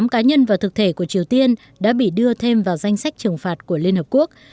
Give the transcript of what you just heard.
tám cá nhân và thực thể của triều tiên đã bị đưa thêm vào danh sách trừng phạt của liên hợp quốc